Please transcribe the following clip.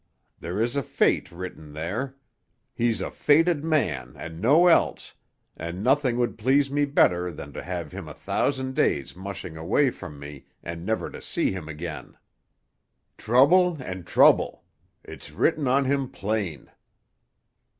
There is a fate written there; he's a fated man and no else, and nothing would please me better than to have him a thousand days mushing away from me and never to see him again. Trouble and trouble! It's written on him plain.